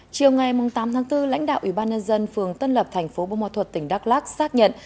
chiều ngày tám tháng bốn lãnh đạo ủy ban nhân dân phường tân lập thành phố bùa thuật tỉnh đắk lắc xác nhận